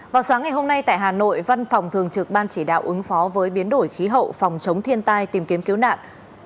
vào sáng ngày hôm nay tại hà nội văn phòng thường trực ban chỉ đạo ứng phó với biến đổi khí hậu phòng chống thiên tai tìm kiếm cứu nạn